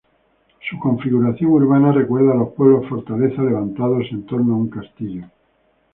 Su configuración urbana recuerda los pueblos fortaleza, levantados en torno a un castillo.